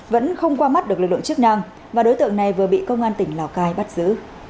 vẫn không qua mắt được lực lượng chức năng và đối tượng này vừa bị công an tỉnh lào cai bắt giữ